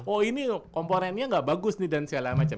oh ini komponennya gak bagus nih dan segala macem